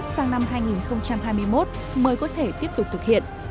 sang năm hai nghìn hai mươi một mới có thể tiếp tục thực hiện